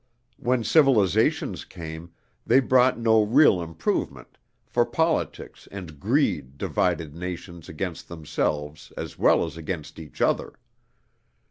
When civilizations came, they brought no real improvement, for politics and greed divided nations against themselves as well as against each other.